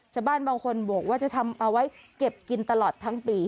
ชาวบ้านบางคนบอกว่าจะทำเอาไว้เก็บกินตลอดทั้งปี